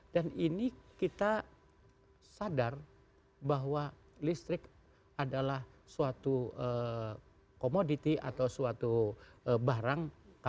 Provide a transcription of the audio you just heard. dan ini kita sadar bahwa listrik adalah suatu komoditi atau suatu barang